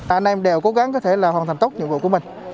anh em đều cố gắng hoàn thành tốt nhiệm vụ của mình